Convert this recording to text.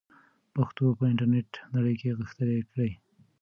پښتو په انټرنیټي نړۍ کې غښتلې کړئ.